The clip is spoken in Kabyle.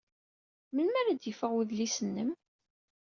Melmi ara d-yeffeɣ wedlis-nnem?